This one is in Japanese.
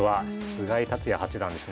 菅井竜也八段ですね。